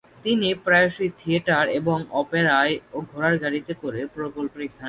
তিনি প্রায়শই থিয়েটার এবং অপেরায় ও ঘোড়ার গাড়িতে করে প্রকল্পের স্থানে যেতেন।